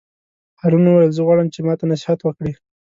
هارون وویل: زه غواړم چې ماته نصیحت وکړې.